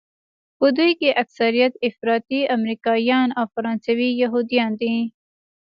په دوی کې اکثریت افراطي امریکایان او فرانسوي یهودیان دي.